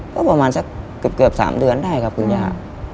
ก็ประมาณสักเกือบ๓เดือนได้ครับคุณย่า